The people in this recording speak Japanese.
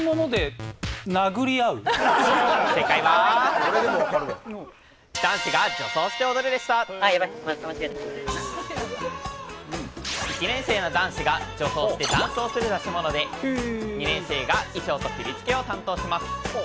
正解は１年生の男子が女装してダンスをする出し物で２年生が衣装と振り付けを担当します。